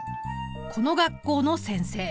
この学校の先生！